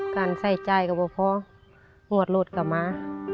การใส่ใจก็พอปวดรถกลับมา